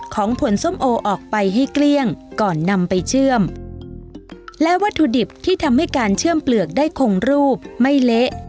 ของผลส้มโอออกไปให้เกลี้ยงก่อนนำไปเชื่อมและวัตถุดิบที่ทำให้การเชื่อมเปลือกได้คงรูปไม่เละ